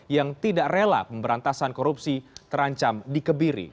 yang tidak rela pemberantasan korupsi terancam dikebiri